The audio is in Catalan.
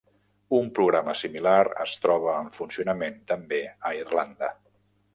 Un programa similar es troba en funcionament també a Irlanda.